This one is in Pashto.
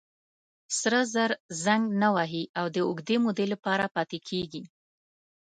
سره زر زنګ نه وهي او د اوږدې مودې لپاره پاتې کېږي.